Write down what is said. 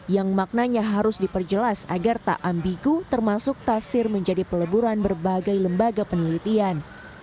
yang maknanya harus diperjelas agar tak ambigu termasuk tafsir menjadi peleburan berbagai lembaga penelitian